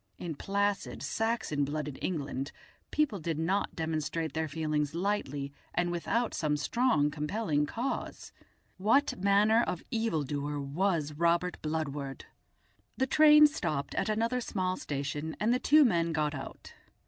In placid Saxon blooded England people did not demonstrate their feelings lightly and without some strong compelling cause. What manner of evildoer was Robert Bludward? The train stopped at another small station, and the two men got out.